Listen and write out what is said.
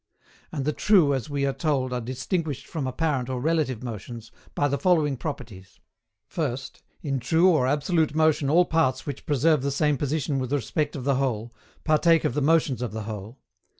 And the true as we are told are distinguished from apparent or relative motions by the following properties. First, in true or absolute motion all parts which preserve the same position with respect of the whole, partake of the motions of the whole.